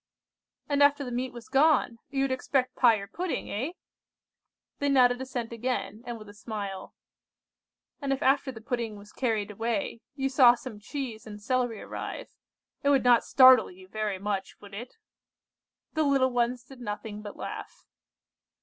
"And after the meat was gone, you would expect pie or pudding, eh?" They nodded assent again, and with a smile. "And if after the pudding was carried away, you saw some cheese and celery arrive, it would not startle you very much, would it?" The little ones did nothing but laugh.